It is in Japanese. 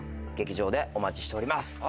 劇場でお待ちしております。